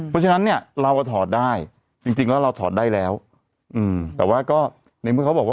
เพราะฉะนั้นเนี่ยเราก็ถอดได้จริงแล้วเราถอดได้แล้วแต่ว่าก็ในเมื่อเขาบอกว่า